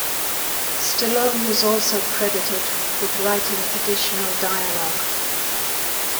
Stallone was also credited with writing additional dialogue.